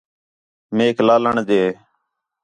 میک لالݨ ݙے